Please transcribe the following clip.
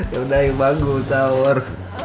yuk dayu bangun sahur